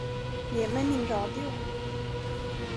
Ge mig min radio.